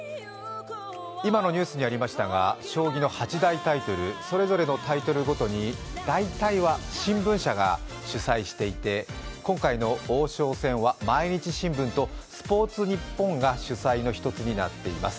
今のニュースにありましたが将棋の８大タイトルそれぞれのタイトルごとに大体は新聞社が主催していて、今回の王将戦は毎日新聞と「スポーツニッポン」が主催の一つになっています。